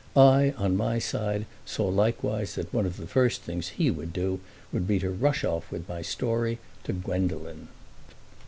I, on my side, saw likewise that one of the first things he would do would be to rush off with my story to Gwendolen.